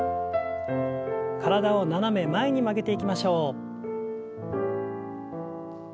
体を斜め前に曲げていきましょう。